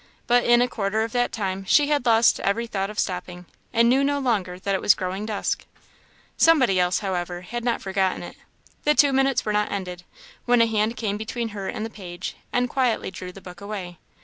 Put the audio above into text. But in a quarter of that time she had lost every thought of stopping, and knew no longer that it was growing dusk. Somebody else, however, had not forgotten it. The two minutes were not ended, when a hand came between her and the page, and quietly drew the book away.